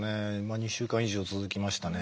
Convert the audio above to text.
２週間以上続きましたね。